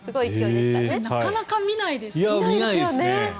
なかなか見ないですよね。